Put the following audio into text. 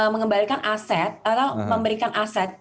mengembalikan aset atau memberikan aset